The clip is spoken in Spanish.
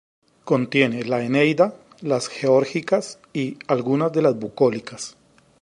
Contiene la "Eneida", las "Geórgicas" y algunas de las "Bucólicas".